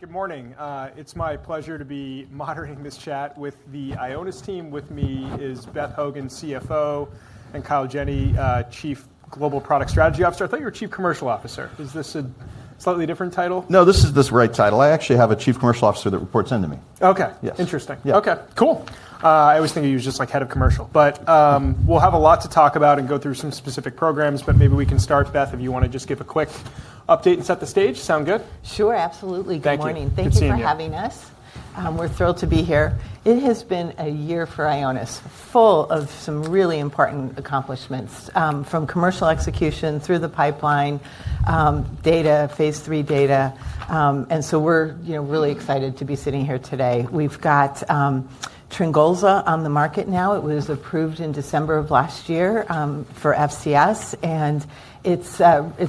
Good morning. It's my pleasure to be moderating this chat with the Ionis team. With me is Beth Hougen, CFO, and Kyle Jenne, Chief Global Product Strategy Officer. I thought you were Chief Commercial Officer. Is this a slightly different title? No, this is the right title. I actually have a Chief Commercial Officer that reports into me. OK, interesting. OK, cool. I always think of you as just like Head of Commercial. But we'll have a lot to talk about and go through some specific programs. But maybe we can start, Beth, if you want to just give a quick update and set the stage. Sound good? Sure, absolutely. Good morning. Thank you for having us. We're thrilled to be here. It has been a year for Ionis full of some really important accomplishments, from commercial execution through the pipeline, data, phase three data. We are really excited to be sitting here today. We've got Tryngolza on the market now. It was approved in December of last year for FCS.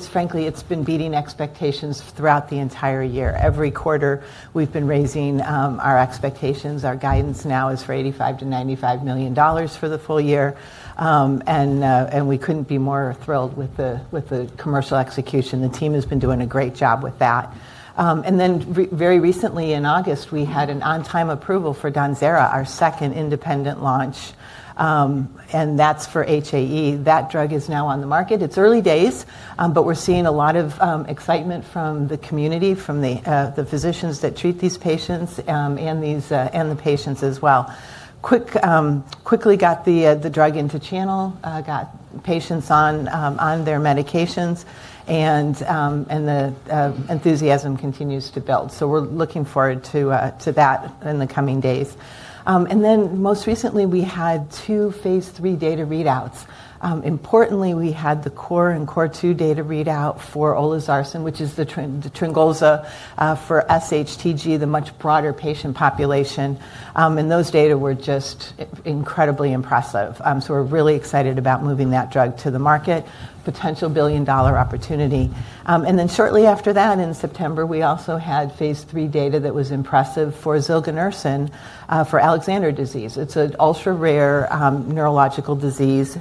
Frankly, it's been beating expectations throughout the entire year. Every quarter, we've been raising our expectations. Our guidance now is for $85-$95 million for the full year. We could not be more thrilled with the commercial execution. The team has been doing a great job with that. Very recently, in August, we had an on-time approval for donidalorsen, our second independent launch. That is for HAE. That drug is now on the market. It's early days. We're seeing a lot of excitement from the community, from the physicians that treat these patients, and the patients as well. Quickly got the drug into channel, got patients on their medications, and the enthusiasm continues to build. We're looking forward to that in the coming days. Most recently, we had two phase three data readouts. Importantly, we had the core and core two data readout for olezarsen, which is the Tryngolza for SHTG, the much broader patient population. Those data were just incredibly impressive. We're really excited about moving that drug to the market, potential billion-dollar opportunity. Shortly after that, in September, we also had phase three data that was impressive for zilganersen for Alexander disease. It's an ultra-rare neurological disease,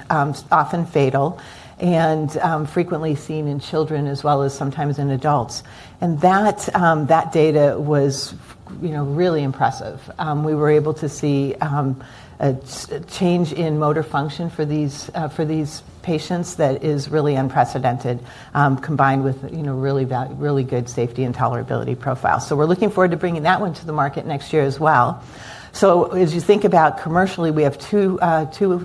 often fatal, and frequently seen in children, as well as sometimes in adults. That data was really impressive. We were able to see a change in motor function for these patients that is really unprecedented, combined with really good safety and tolerability profiles. We are looking forward to bringing that one to the market next year as well. As you think about commercially, we have two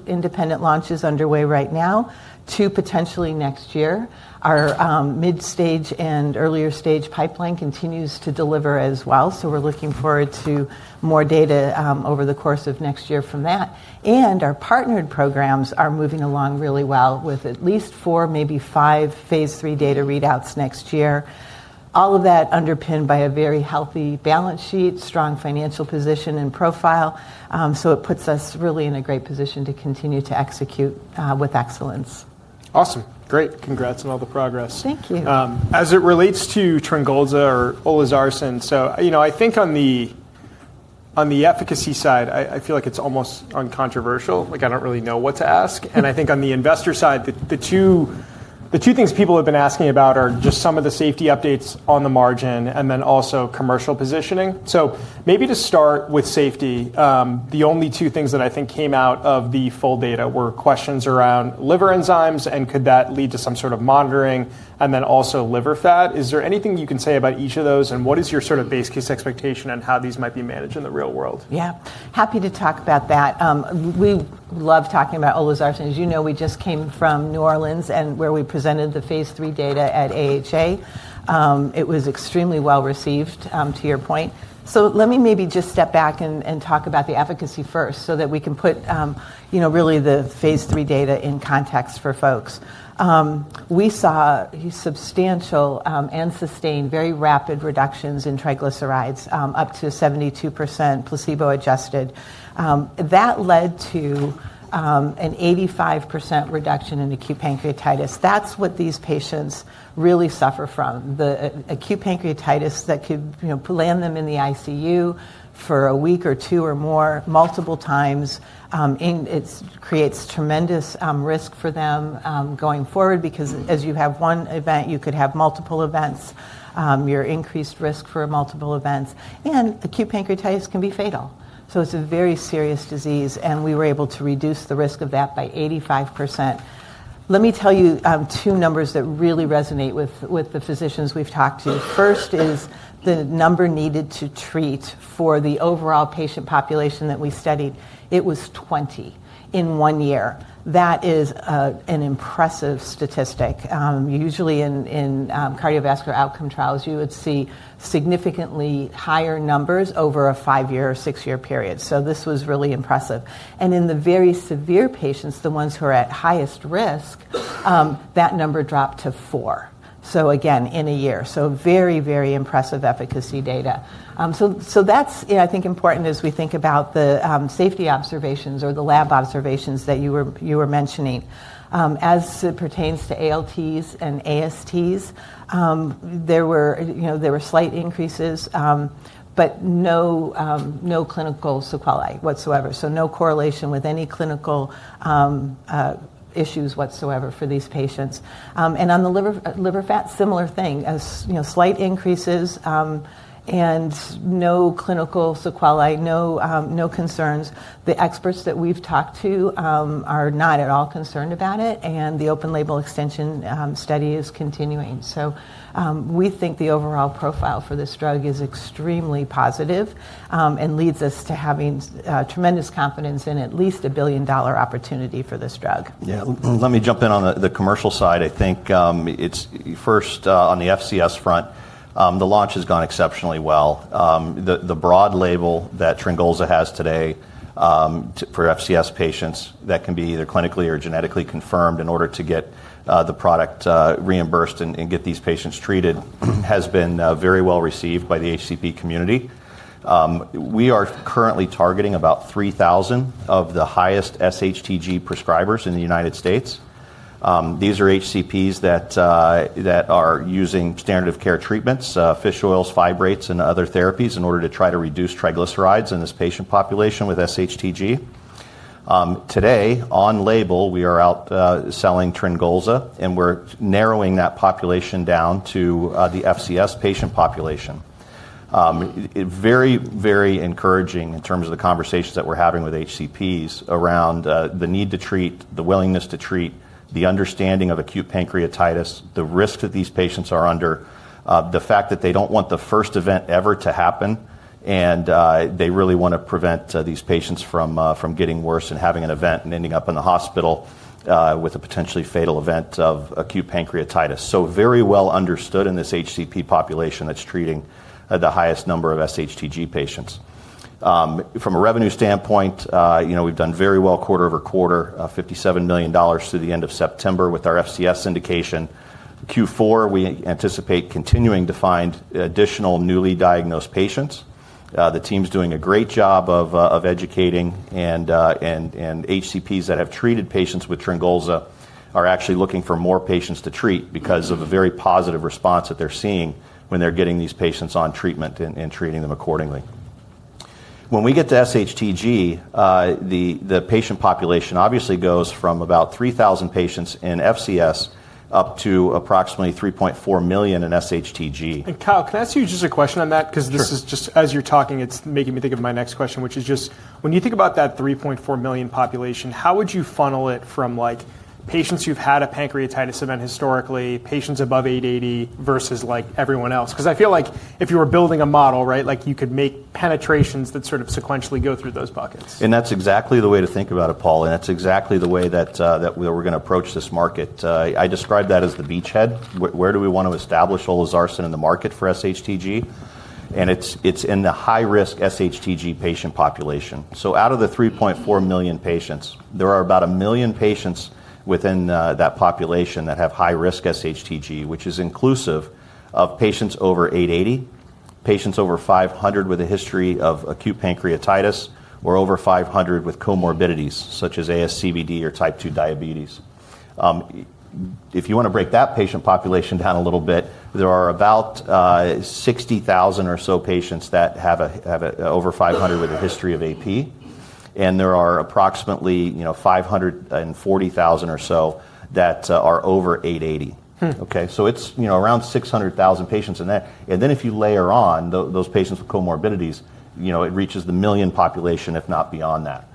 independent launches underway right now, two potentially next year. Our mid-stage and earlier stage pipeline continues to deliver as well. We are looking forward to more data over the course of next year from that. Our partnered programs are moving along really well with at least four, maybe five phase three data readouts next year, all of that underpinned by a very healthy balance sheet, strong financial position, and profile. It puts us really in a great position to continue to execute with excellence. Awesome. Great. Congrats on all the progress. Thank you. As it relates to Tryngolza or olezarsen, I think on the efficacy side, I feel like it's almost uncontroversial. I don't really know what to ask. I think on the investor side, the two things people have been asking about are just some of the safety updates on the margin and then also commercial positioning. Maybe to start with safety, the only two things that I think came out of the full data were questions around liver enzymes and could that lead to some sort of monitoring, and then also liver fat. Is there anything you can say about each of those? What is your sort of base case expectation and how these might be managed in the real world?, happy to talk about that. We love talking about olezarsen. As you know, we just came from New Orleans, where we presented the phase three data at AHA. It was extremely well received, to your point. Let me maybe just step back and talk about the efficacy first so that we can put really the phase three data in context for folks. We saw substantial and sustained very rapid reductions in triglycerides, up to 72% placebo-adjusted. That led to an 85% reduction in acute pancreatitis. That is what these patients really suffer from, the acute pancreatitis that could land them in the ICU for a week or two or more multiple times. It creates tremendous risk for them going forward because as you have one event, you could have multiple events. You are at increased risk for multiple events. Acute pancreatitis can be fatal. It is a very serious disease. And we were able to reduce the risk of that by 85%. Let me tell you two numbers that really resonate with the physicians we have talked to. First is the number needed to treat for the overall patient population that we studied. It was 20 in one year. That is an impressive statistic. Usually, in cardiovascular outcome trials, you would see significantly higher numbers over a five-year or six-year period. This was really impressive. In the very severe patients, the ones who are at highest risk, that number dropped to four. Again, in a year. Very, very impressive efficacy data. That is, I think, important as we think about the safety observations or the lab observations that you were mentioning. As it pertains to ALT and AST, there were slight increases, but no clinical sequelae whatsoever. No correlation with any clinical issues whatsoever for these patients. On the liver fat, similar thing, slight increases and no clinical sequelae, no concerns. The experts that we've talked to are not at all concerned about it. The open label extension study is continuing. We think the overall profile for this drug is extremely positive and leads us to having tremendous confidence in at least a billion-dollar opportunity for this drug.. Let me jump in on the commercial side. I think first, on the FCS front, the launch has gone exceptionally well. The broad label that Tryngolza has today for FCS patients that can be either clinically or genetically confirmed in order to get the product reimbursed and get these patients treated has been very well received by the HCP community. We are currently targeting about 3,000 of the highest SHTG prescribers in the United States. These are HCPs that are using standard of care treatments, fish oils, fibrates, and other therapies in order to try to reduce triglycerides in this patient population with SHTG. Today, on label, we are out selling Tryngolza, and we're narrowing that population down to the FCS patient population. Very, very encouraging in terms of the conversations that we're having with HCPs around the need to treat, the willingness to treat, the understanding of acute pancreatitis, the risk that these patients are under, the fact that they don't want the first event ever to happen. They really want to prevent these patients from getting worse and having an event and ending up in the hospital with a potentially fatal event of acute pancreatitis. Very well understood in this HCP population that's treating the highest number of SHTG patients. From a revenue standpoint, we've done very well quarter over quarter, $57 million through the end of September with our FCS indication. Q4, we anticipate continuing to find additional newly diagnosed patients. The team's doing a great job of educating. HCPs that have treated patients with Tryngolza are actually looking for more patients to treat because of a very positive response that they're seeing when they're getting these patients on treatment and treating them accordingly. When we get to SHTG, the patient population obviously goes from about 3,000 patients in FCS up to approximately 3.4 million in SHTG. Kyle, can I ask you just a question on that? Because just as you're talking, it's making me think of my next question, which is just when you think about that 3.4 million population, how would you funnel it from patients who've had a pancreatitis event historically, patients above age 80 versus everyone else? Because I feel like if you were building a model, you could make penetrations that sort of sequentially go through those buckets. That is exactly the way to think about it, Paul. That is exactly the way that we're going to approach this market. I described that as the beachhead. Where do we want to establish olezarsen in the market for SHTG? It is in the high-risk SHTG patient population. Out of the 3.4 million patients, there are about 1 million patients within that population that have high-risk SHTG, which is inclusive of patients over 80, patients over 500 with a history of acute pancreatitis, or over 500 with comorbidities such as ASCVD or type 2 diabetes. If you want to break that patient population down a little bit, there are about 60,000 or so patients that have over 500 with a history of acute pancreatitis. There are approximately 540,000 or so that are over 80. It is around 600,000 patients. If you layer on those patients with comorbidities, it reaches the million population, if not beyond that.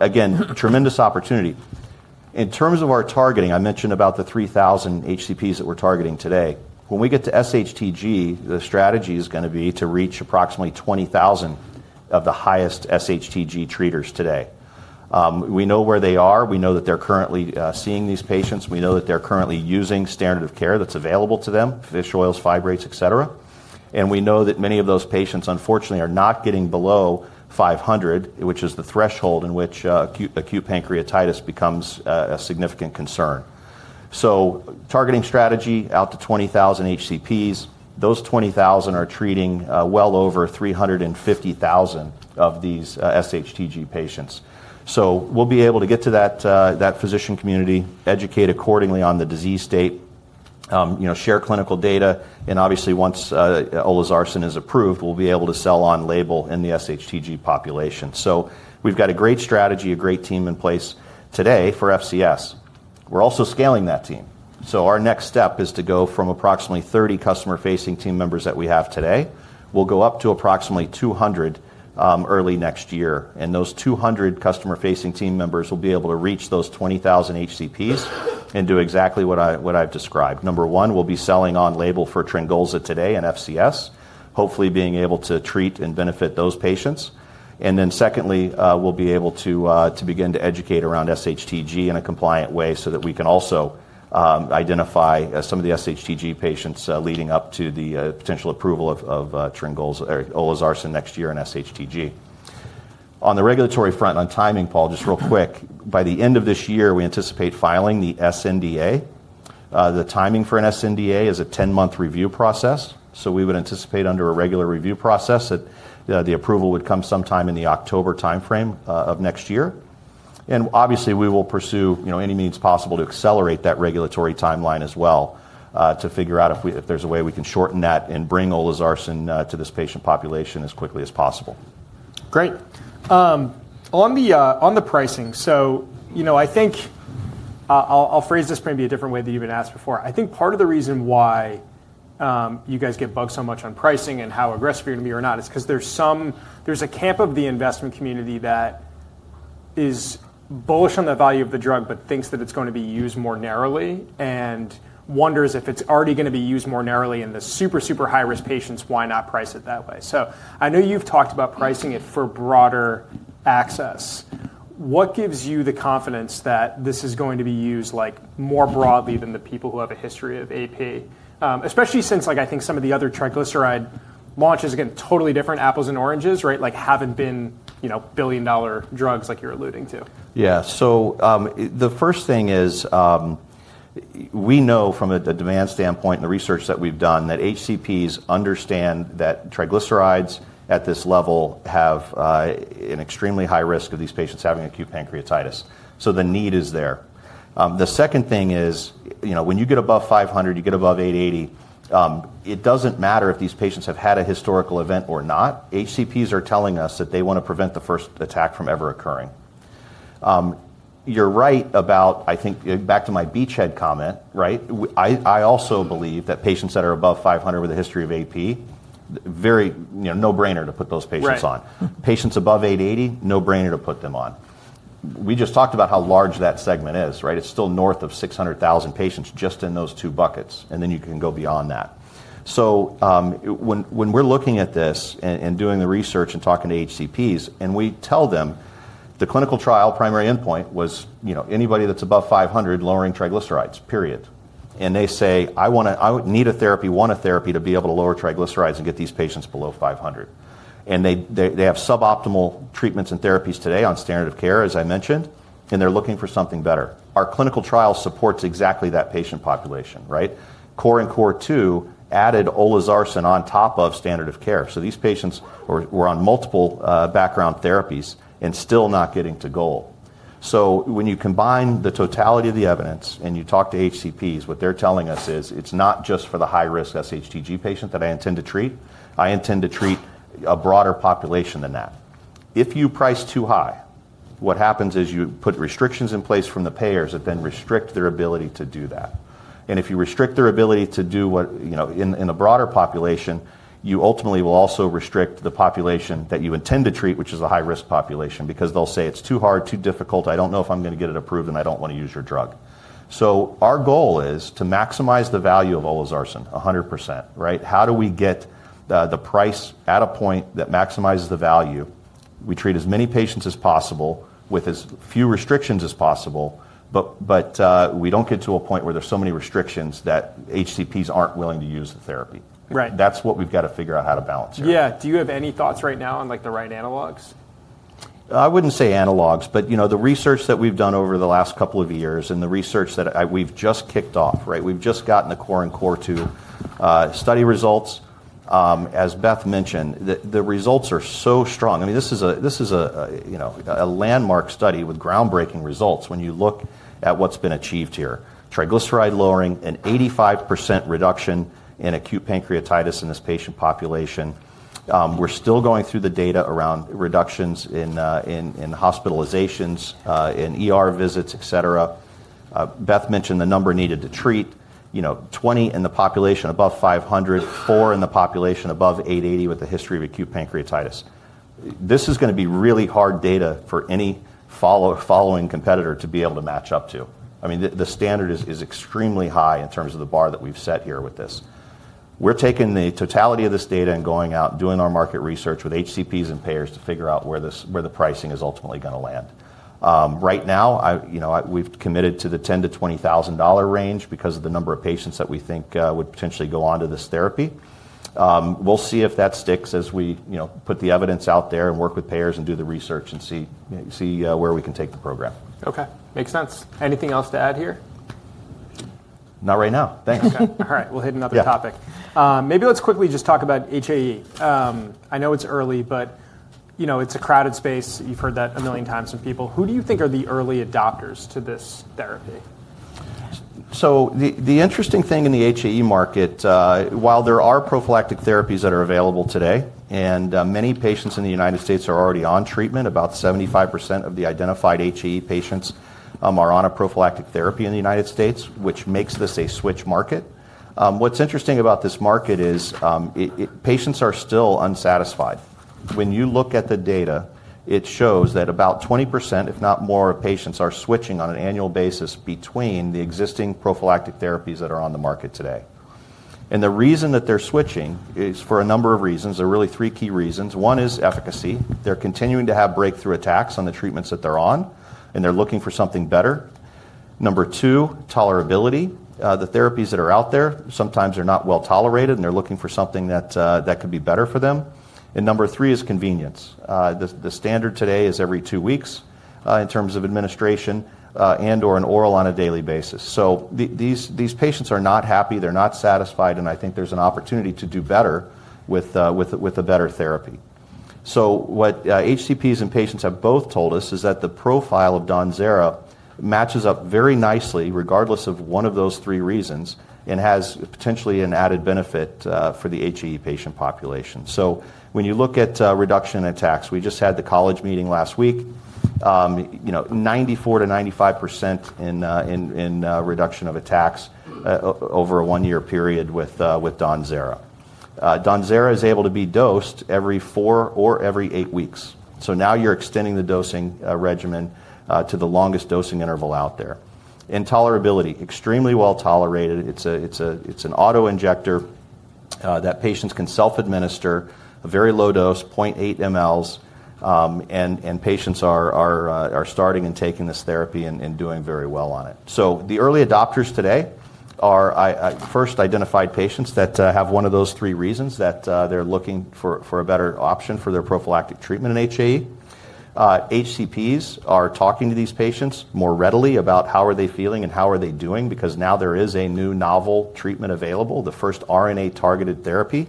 Again, tremendous opportunity. In terms of our targeting, I mentioned about the 3,000 HCPs that we're targeting today. When we get to SHTG, the strategy is going to be to reach approximately 20,000 of the highest SHTG treaters today. We know where they are. We know that they're currently seeing these patients. We know that they're currently using standard of care that's available to them, fish oils, fibrates, et cetera. We know that many of those patients, unfortunately, are not getting below 500, which is the threshold in which acute pancreatitis becomes a significant concern. Targeting strategy out to 20,000 HCPs. Those 20,000 are treating well over 350,000 of these SHTG patients. We'll be able to get to that physician community, educate accordingly on the disease state, share clinical data. Obviously, once olezarsen is approved, we'll be able to sell on label in the SHTG population. We've got a great strategy, a great team in place today for FCS. We're also scaling that team. Our next step is to go from approximately 30 customer-facing team members that we have today. We'll go up to approximately 200 early next year. Those 200 customer-facing team members will be able to reach those 20,000 HCPs and do exactly what I've described. Number one, we'll be selling on label for Tryngolza today in FCS, hopefully being able to treat and benefit those patients. Secondly, we'll be able to begin to educate around SHTG in a compliant way so that we can also identify some of the SHTG patients leading up to the potential approval of Tryngolza or olezarsen next year in SHTG. On the regulatory front, on timing, Paul, just real quick. By the end of this year, we anticipate filing the sNDA. The timing for an sNDA is a 10-month review process. We would anticipate under a regular review process that the approval would come sometime in the October time frame of next year. Obviously, we will pursue any means possible to accelerate that regulatory timeline as well to figure out if there's a way we can shorten that and bring olezarsen to this patient population as quickly as possible. Great. On the pricing, I think I'll phrase this maybe a different way than you've been asked before. I think part of the reason why you guys get bugged so much on pricing and how aggressive you're going to be or not is because there's a camp of the investment community that is bullish on the value of the drug but thinks that it's going to be used more narrowly and wonders if it's already going to be used more narrowly in the super, super high-risk patients, why not price it that way? I know you've talked about pricing it for broader access. What gives you the confidence that this is going to be used more broadly than the people who have a history of AP, especially since I think some of the other triglyceride launches are getting totally different apples and oranges, right? Like haven't been billion-dollar drugs like you're alluding to.. The first thing is we know from a demand standpoint and the research that we've done that HCPs understand that triglycerides at this level have an extremely high risk of these patients having acute pancreatitis. The need is there. The second thing is when you get above 500, you get above 800, it does not matter if these patients have had a historical event or not. HCPs are telling us that they want to prevent the first attack from ever occurring. You're right about, I think, back to my beachhead comment, right? I also believe that patients that are above 500 with a history of AP, very no-brainer to put those patients on. Patients above 800, no-brainer to put them on. We just talked about how large that segment is, right? It's still north of 600,000 patients just in those two buckets. You can go beyond that. When we're looking at this and doing the research and talking to HCPs, and we tell them the clinical trial primary endpoint was anybody that's above 500 lowering triglycerides, period. They say, "I need a therapy, want a therapy to be able to lower triglycerides and get these patients below 500." They have suboptimal treatments and therapies today on standard of care, as I mentioned, and they're looking for something better. Our clinical trial supports exactly that patient population, right? Core and Core 2 added olezarsen on top of standard of care. These patients were on multiple background therapies and still not getting to goal. When you combine the totality of the evidence and you talk to HCPs, what they're telling us is it's not just for the high-risk SHTG patient that I intend to treat. I intend to treat a broader population than that. If you price too high, what happens is you put restrictions in place from the payers that then restrict their ability to do that. If you restrict their ability to do in a broader population, you ultimately will also restrict the population that you intend to treat, which is a high-risk population, because they'll say, "It's too hard, too difficult. I don't know if I'm going to get it approved, and I don't want to use your drug." Our goal is to maximize the value of olezarsen 100%, right? How do we get the price at a point that maximizes the value? We treat as many patients as possible with as few restrictions as possible, but we don't get to a point where there's so many restrictions that HCPs aren't willing to use the therapy. That's what we've got to figure out how to balance here.. Do you have any thoughts right now on the right analogs? I wouldn't say analogs, but the research that we've done over the last couple of years and the research that we've just kicked off, right? We've just gotten the Core and Core 2 study results. As Beth mentioned, the results are so strong. I mean, this is a landmark study with groundbreaking results when you look at what's been achieved here. Triglyceride lowering, an 85% reduction in acute pancreatitis in this patient population. We're still going through the data around reductions in hospitalizations, in visits, et cetera. Beth mentioned the number needed to treat: 20 in the population above age 500, 4 in the population above age 80 with a history of acute pancreatitis. This is going to be really hard data for any following competitor to be able to match up to. I mean, the standard is extremely high in terms of the bar that we've set here with this. We're taking the totality of this data and going out and doing our market research with HCPs and payers to figure out where the pricing is ultimately going to land. Right now, we've committed to the $10,000-$20,000 range because of the number of patients that we think would potentially go on to this therapy. We'll see if that sticks as we put the evidence out there and work with payers and do the research and see where we can take the program. Okay. Makes sense. Anything else to add here? Not right now. Thanks. Okay. All right. We'll hit another topic. Maybe let's quickly just talk about HAE. I know it's early, but it's a crowded space. You've heard that a million times from people. Who do you think are the early adopters to this therapy? The interesting thing in the HAE market, while there are prophylactic therapies that are available today and many patients in the United States are already on treatment, about 75% of the identified HAE patients are on a prophylactic therapy in the United States, which makes this a switch market. What's interesting about this market is patients are still unsatisfied. When you look at the data, it shows that about 20%, if not more, of patients are switching on an annual basis between the existing prophylactic therapies that are on the market today. The reason that they're switching is for a number of reasons. There are really three key reasons. One is efficacy. They're continuing to have breakthrough attacks on the treatments that they're on, and they're looking for something better. Number two, tolerability. The therapies that are out there sometimes are not well tolerated, and they're looking for something that could be better for them. Number three is convenience. The standard today is every two weeks in terms of administration and/or an oral on a daily basis. These patients are not happy. They're not satisfied. I think there's an opportunity to do better with a better therapy. What HCPs and patients have both told us is that the profile of donidalorsen matches up very nicely regardless of one of those three reasons and has potentially an added benefit for the HAE patient population. When you look at reduction attacks, we just had the college meeting last week. 94%-95% in reduction of attacks over a one-year period with donidalorsen. Donidalorsen is able to be dosed every four or every eight weeks. Now you're extending the dosing regimen to the longest dosing interval out there. And tolerability, extremely well tolerated. It's an autoinjector that patients can self-administer, a very low dose, 0.8 mLs, and patients are starting and taking this therapy and doing very well on it. The early adopters today are first identified patients that have one of those three reasons that they're looking for a better option for their prophylactic treatment in HAE. HCPs are talking to these patients more readily about how are they feeling and how are they doing because now there is a new novel treatment available, the first RNA-targeted therapy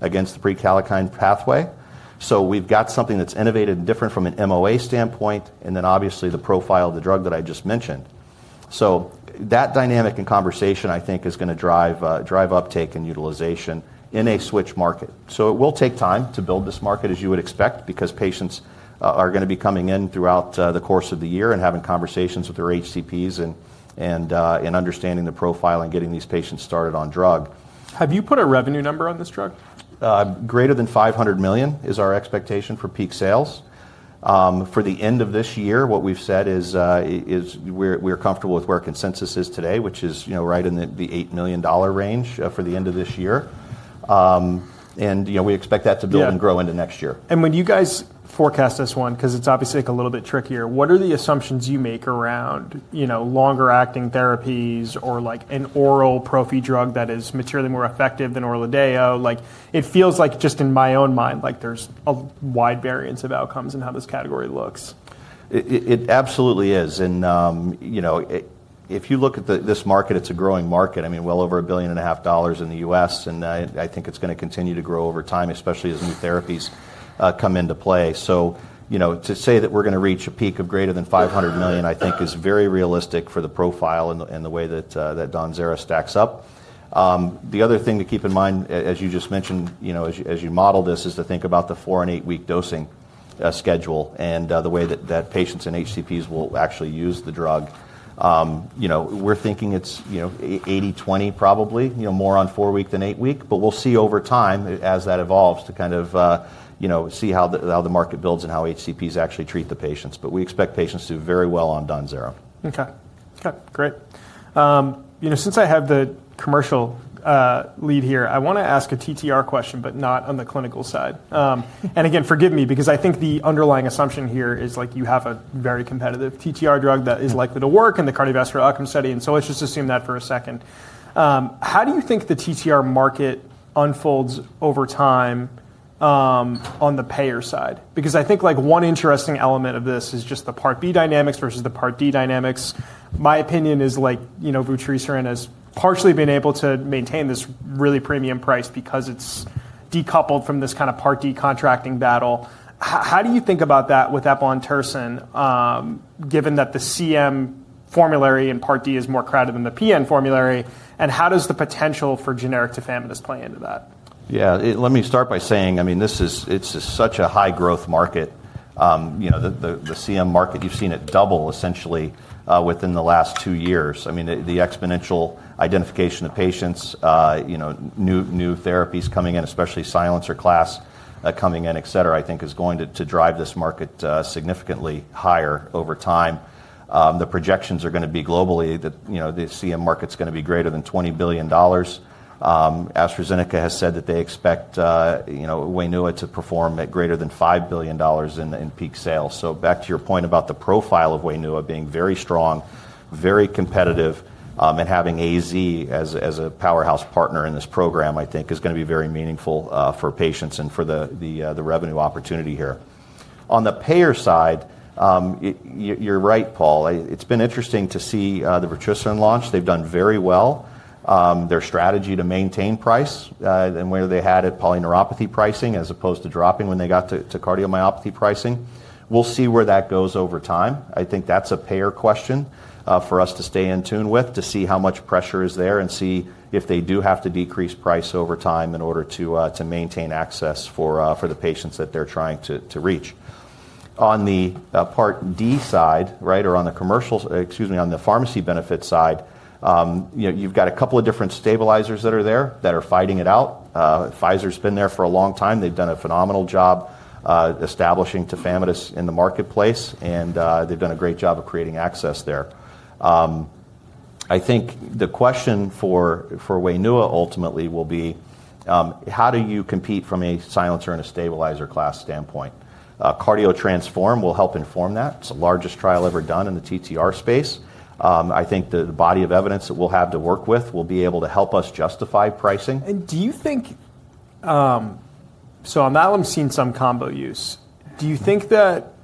against the pre-calcine pathway. We've got something that's innovated and different from an MOA standpoint and then obviously the profile of the drug that I just mentioned. That dynamic and conversation, I think, is going to drive uptake and utilization in a switch market. It will take time to build this market, as you would expect, because patients are going to be coming in throughout the course of the year and having conversations with their HCPs and understanding the profile and getting these patients started on drug. Have you put a revenue number on this drug? Greater than $500 million is our expectation for peak sales. For the end of this year, what we've said is we're comfortable with where consensus is today, which is right in the $8 million range for the end of this year. We expect that to build and grow into next year. When you guys forecast this one, because it's obviously a little bit trickier, what are the assumptions you make around longer-acting therapies or an oral Prophy drug that is materially more effective than Orladayo? It feels like just in my own mind, there's a wide variance of outcomes in how this category looks. It absolutely is. If you look at this market, it's a growing market. I mean, well over $1.5 billion in the U.S. I think it's going to continue to grow over time, especially as new therapies come into play. To say that we're going to reach a peak of greater than $500 million, I think, is very realistic for the profile and the way that donidalorsen stacks up. The other thing to keep in mind, as you just mentioned, as you model this, is to think about the four- and eight-week dosing schedule and the way that patients and HCPs will actually use the drug. We're thinking it's 80/20, probably more on four-week than eight-week. We'll see over time as that evolves to kind of see how the market builds and how HCPs actually treat the patients. We expect patients to do very well on donidalorsen. Okay. Okay. Great. Since I have the commercial lead here, I want to ask a TTR question, but not on the clinical side. Again, forgive me, because I think the underlying assumption here is you have a very competitive TTR drug that is likely to work in the cardiovascular outcome study. Let's just assume that for a second. How do you think the TTR market unfolds over time on the payer side? I think one interesting element of this is just the Part B dynamics versus the Part D dynamics. My opinion is Vutrisiran has partially been able to maintain this really premium price because it's decoupled from this kind of Part D contracting battle. How do you think about that with eplontersen, given that the CM formulary in Part D is more crowded than the PN formulary? How does the potential for generic tafamidis play into that?. Let me start by saying, I mean, it's such a high-growth market. The CM market, you've seen it double essentially within the last two years. I mean, the exponential identification of patients, new therapies coming in, especially silencer class coming in, et cetera, I think is going to drive this market significantly higher over time. The projections are going to be globally that the CM market's going to be greater than $20 billion. AstraZeneca has said that they expect Wainua to perform at greater than $5 billion in peak sales. Back to your point about the profile of Wainua being very strong, very competitive, and having AZ as a powerhouse partner in this program, I think is going to be very meaningful for patients and for the revenue opportunity here. On the payer side, you're right, Paul. It's been interesting to see the Vutrisiran launch. They've done very well. Their strategy to maintain price and where they had at polyneuropathy pricing as opposed to dropping when they got to cardiomyopathy pricing. We'll see where that goes over time. I think that's a payer question for us to stay in tune with to see how much pressure is there and see if they do have to decrease price over time in order to maintain access for the patients that they're trying to reach. On the Part D side, right, or on the pharmacy benefit side, you've got a couple of different stabilizers that are there that are fighting it out. Pfizer's been there for a long time. They've done a phenomenal job establishing tafamidis in the marketplace, and they've done a great job of creating access there. I think the question for Wainua ultimately will be, how do you compete from a silencer and a stabilizer class standpoint? CardioTransform will help inform that. It's the largest trial ever done in the TTR space. I think the body of evidence that we'll have to work with will be able to help us justify pricing. Do you think, so I'm not seeing some combo use. Do you think that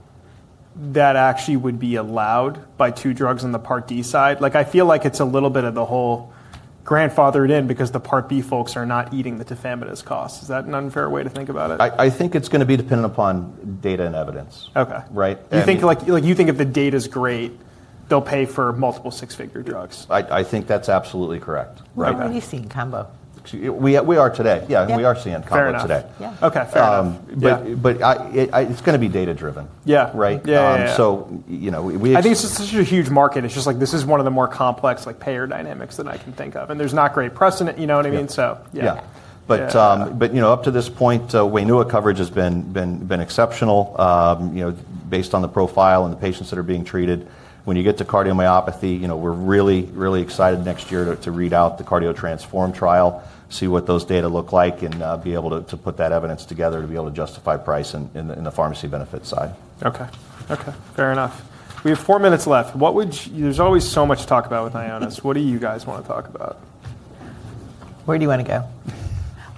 that actually would be allowed by two drugs on the Part D side? I feel like it's a little bit of the whole grandfathered in because the Part B folks are not eating the tafamidis cost. Is that an unfair way to think about it? I think it's going to be dependent upon data and evidence. Okay. You think if the data's great, they'll pay for multiple six-figure drugs? I think that's absolutely correct. Right. What are you seeing combo? We are today., we are seeing combo today. Fair enough.. Okay. Fair enough. It's going to be data-driven.. Right? So we. I think it's such a huge market. It's just like this is one of the more complex payer dynamics that I can think of. And there's not great precedent, you know what I mean? So.. Up to this point, Wainua coverage has been exceptional based on the profile and the patients that are being treated. When you get to cardiomyopathy, we're really, really excited next year to read out the CardioTransform trial, see what those data look like, and be able to put that evidence together to be able to justify price in the pharmacy benefit side. Okay. Okay. Fair enough. We have four minutes left. There's always so much to talk about with Ionis. What do you guys want to talk about? Where do you want to go?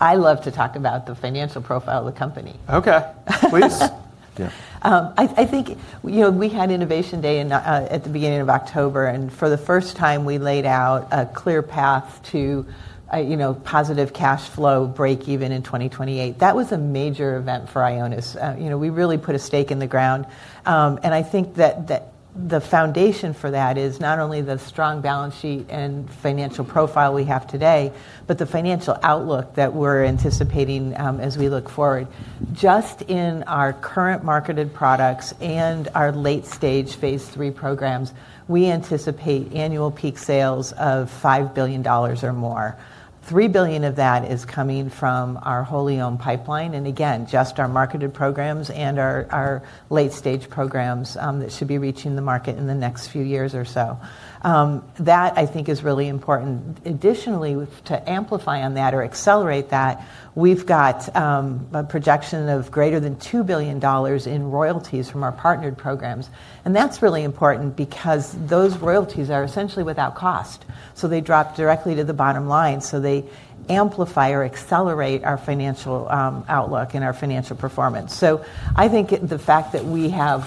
I love to talk about the financial profile of the company. Okay. Please. I think we had Innovation Day at the beginning of October. For the first time, we laid out a clear path to positive cash flow break-even in 2028. That was a major event for Ionis. We really put a stake in the ground. I think that the foundation for that is not only the strong balance sheet and financial profile we have today, but the financial outlook that we're anticipating as we look forward. Just in our current marketed products and our late-stage phase three programs, we anticipate annual peak sales of $5 billion or more. $3 billion of that is coming from our wholly owned pipeline. Again, just our marketed programs and our late-stage programs that should be reaching the market in the next few years or so. That, I think, is really important. Additionally, to amplify on that or accelerate that, we've got a projection of greater than $2 billion in royalties from our partnered programs. That's really important because those royalties are essentially without cost. They drop directly to the bottom line. They amplify or accelerate our financial outlook and our financial performance. I think the fact that we have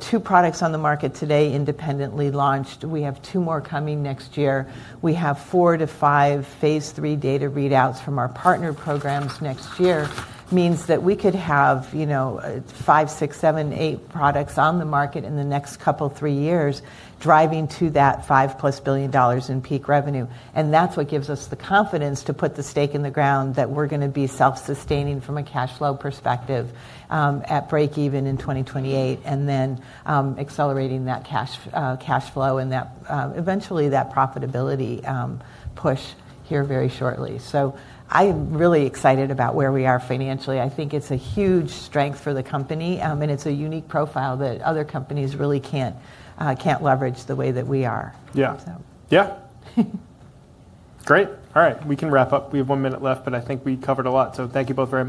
two products on the market today independently launched, we have two more coming next year. We have four to five phase three data readouts from our partnered programs next year. Means that we could have five, six, seven, eight products on the market in the next couple, three years driving to that $5 plus billion in peak revenue. That is what gives us the confidence to put the stake in the ground that we are going to be self-sustaining from a cash flow perspective at break-even in 2028 and then accelerating that cash flow and eventually that profitability push here very shortly. I am really excited about where we are financially. I think it is a huge strength for the company. It is a unique profile that other companies really cannot leverage the way that we are... Great. All right. We can wrap up. We have one minute left, but I think we covered a lot. Thank you both very much.